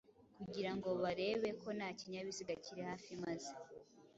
kugira ngo barebe ko nta kinyabiziga kiri hafi maze